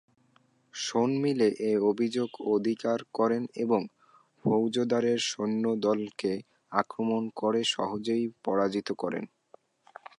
শোনমিলে এ অভিযোগ অস্বীকার করেন এবং ফৌজদারের সৈন্যদলকে আক্রমণ করে সহজেই পরাজিত করেন।